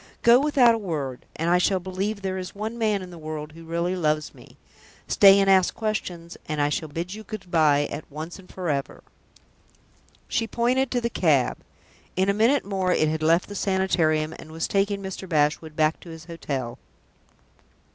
Go without a word, and I shall believe there is one man in the world who really loves me. Stay and ask questions, and I shall bid you good by at once and forever!" She pointed to the cab. In a minute more it had left the Sanitarium and was taking Mr. Bashwood back to his hotel.